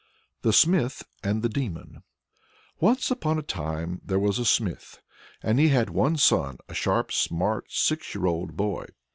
THE SMITH AND THE DEMON. Once upon a time there was a Smith, and he had one son, a sharp, smart, six year old boy.